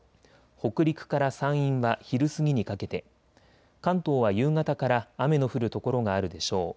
北陸から山陰は昼過ぎにかけて、関東は夕方から雨の降る所があるでしょう。